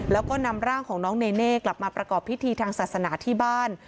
แล้วก็นำร่างของน้องเนเน่กลับมาประกอบพิธีทางศาสนาที่บ้าน